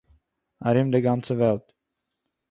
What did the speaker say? אַרום דער גאַנצער וועלט